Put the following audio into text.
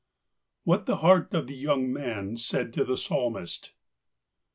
■WHAT THE HEART OF THE YOUNG MAN SAID TO THE PSALMIST.